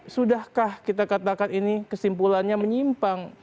sudahkah kita katakan ini kesimpulannya menyimpang